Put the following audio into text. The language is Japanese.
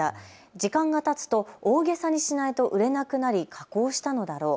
時間がたつと大げさにしないと売れなくなり加工したのだろう。